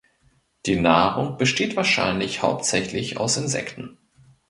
Die Nahrung besteht wahrscheinlich hauptsächlich aus Insekten.